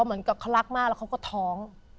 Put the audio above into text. เหมือนกับเขารักมากแล้วเขาก็ท้อง